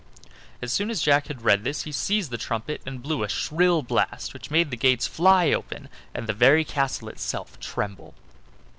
As soon as Jack had read this he seized the trumpet and blew a shrill blast, which made the gates fly open and the very castle itself tremble.